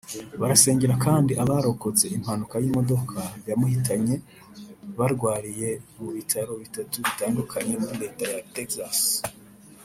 Barasengera kandi abarokotse impanuka y’imodoka yamuhitanye barwariye mu bitaro bitatu bitandukanye muri Leta ya Texas